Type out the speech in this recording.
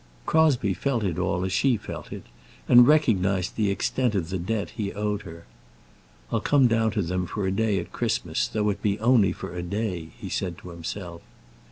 Crosbie felt it all as she felt it, and recognized the extent of the debt he owed her. "I'll come down to them for a day at Christmas, though it be only for a day," he said to himself.